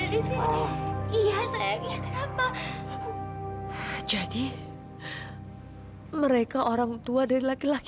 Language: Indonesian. ini terjadi karena ladies